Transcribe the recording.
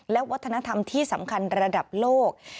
และวัฒนธรรมที่สำคัญระดับโลก